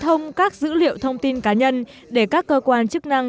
để không các dữ liệu thông tin cá nhân để các cơ quan chức năng